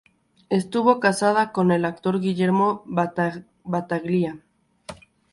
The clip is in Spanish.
Estuvo casada con el actor Guillermo Battaglia.